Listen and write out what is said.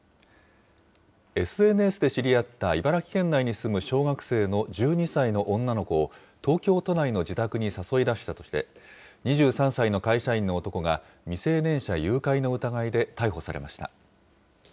ＳＮＳで知り合った茨城県内に住む小学生の１２歳の女の子を、東京都内の自宅に誘い出したとして、２３歳の会社員の男が、未成年者誘拐の疑いで逮捕されました。